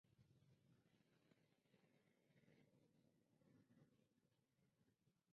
The mite is found in western Europe.